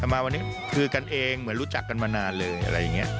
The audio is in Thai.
มาวันนี้คือกันเองเหมือนรู้จักกันมานานเลยอะไรอย่างนี้